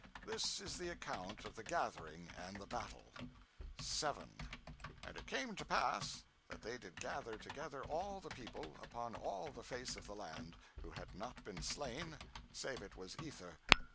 This is the account of the gathering and the battle: 7. And it came to pass that they did gather together all the people, upon all the face of the land, who had not been slain, save it was Ether.